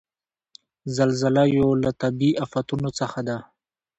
زلزله یو له طبعیي آفتونو څخه ده.